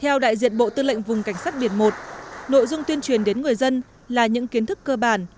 theo đại diện bộ tư lệnh vùng cảnh sát biển một nội dung tuyên truyền đến người dân là những kiến thức cơ bản